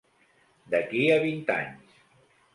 D'aquí a vint anys.